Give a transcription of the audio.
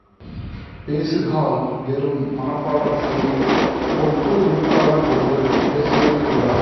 பேசு கால் வெறும் மனப்பாடம் செய்து ஒப்புவிப்பவர் போன்று பேசுதல் கூடாது.